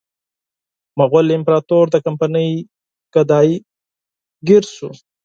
مغول امپراطور د کمپنۍ ګدایي ګر شو.